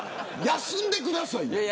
休んでくださいよ。